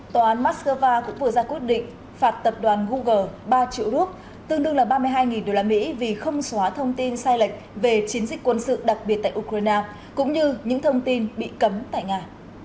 tòa án moscow cũng vừa ra quyết định phạt tập đoàn google ba triệu rup tương đương là ba mươi hai usd vì không xóa thông tin sai lệch về chiến dịch quân sự đặc biệt tại ukraine cũng như những thông tin bị cấm tại nga